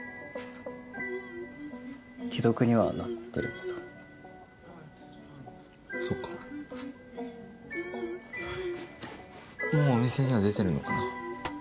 既読にはなってるけどそっかもうお店には出てるのかな？